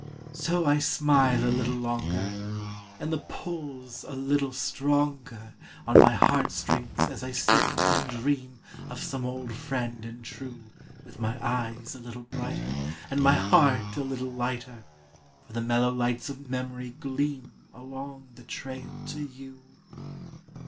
S O I smile a little longer, And the pull's a little stronger On mg heart strings as I sit and ] dream of some old "friend and true °(Dith mg eges a little brighter And mg heart a little lighter, por the mellow lights OT memorij qleam Aloncj the trail to gou.